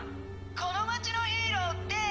この街のヒーローって。